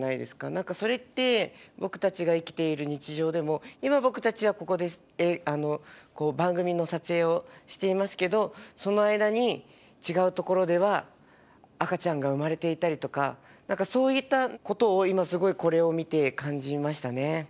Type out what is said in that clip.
何かそれって僕たちが生きている日常でも今僕たちはここでこう番組の撮影をしていますけどその間に違う所では赤ちゃんが産まれていたりとか何かそういったことを今すごいこれを見て感じましたね。